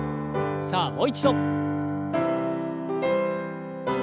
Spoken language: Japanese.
さあもう一度。